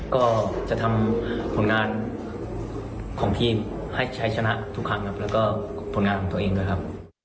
ก็จะทำผลงานของทีมให้ใช้ชนะทุกครั้งครับแล้วก็ผลงานของตัวเองด้วยครับ